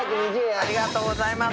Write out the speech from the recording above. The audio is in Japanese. ありがとうございます。